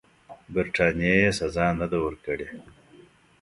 برټانیې سزا نه ده ورکړې.